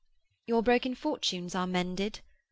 'Your broken fortunes are mended?'